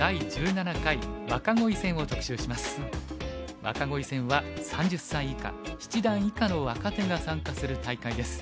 若鯉戦は３０歳以下七段以下の若手が参加する大会です。